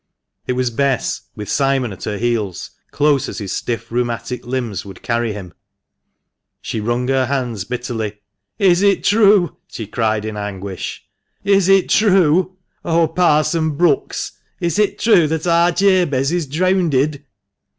It was Bess, with Simon at her heels, close as his stiff rheumatic limbs would carry him. She wrung her hands bitterly. "Is it true?" she cried in anguish, "is it true? Oh, Parson Bracks, is it true that ar Jabez is dreawnded